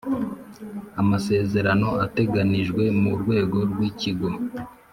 amasezerano ateganijwe mu rwego rwikigo